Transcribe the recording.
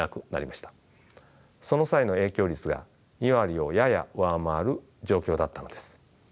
その際の影響率が２割をやや上回る状況だったのです。